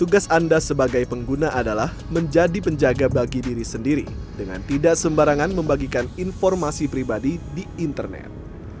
tugas anda sebagai pengguna adalah menjadi penjaga bagi diri sendiri dengan tidak sembarangan membagikan informasi pribadi di internet